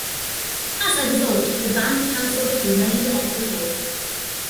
As a result, the band canceled the remainder of the tour.